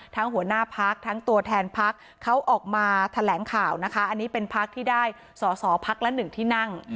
หัวหน้าพักทั้งตัวแทนพักเขาออกมาแถลงข่าวนะคะอันนี้เป็นพักที่ได้สอสอพักละหนึ่งที่นั่ง